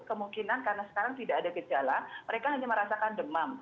kemungkinan karena sekarang tidak ada gejala mereka hanya merasakan demam